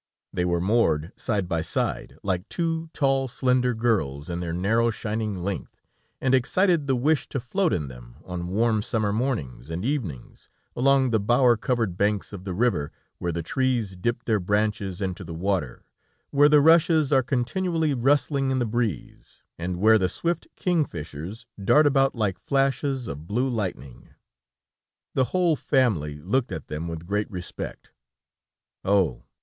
They were moored side by side, like two tall, slender girls, in their narrow shining length, and excited the wish to float in them on warm summer mornings and evenings, along the bower covered banks of the river, where the trees dipped their branches into the water, where the rushes are continually rustling in the breeze, and where the swift king fishers dart about like flashes of blue lightning. The whole family looked at them with great respect. "Oh!